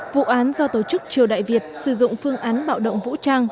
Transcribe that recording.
vụ án do tổ chức triều đại việt sử dụng phương án bạo động vũ trang